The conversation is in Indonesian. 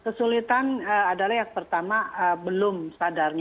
ya kesulitan adalah yang pertama belum sadar